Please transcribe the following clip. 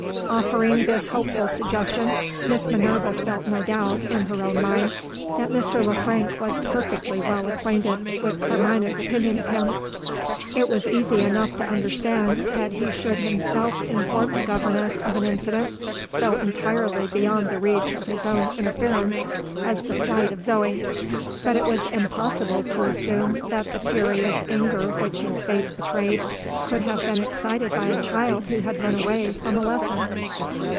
Offering this hopeful suggestion, Miss Minerva felt no doubt, in her own mind, that Mr. Le Frank was perfectly well acquainted with Carmina's opinion of him. It was easy enough to understand that he should himself inform the governess of an incident, so entirely beyond the reach of his own interference as the flight of Zo. But it was impossible to assume that the furious anger which his face betrayed, could have been excited by a child who had run away from a lesson.